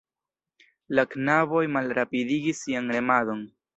La knaboj malrapidigis sian remadon.